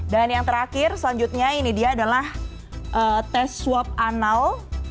yang terakhir selanjutnya ini dia adalah tes swab anal